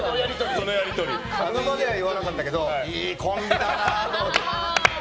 その場では言わなかったけどいいコンビだなって。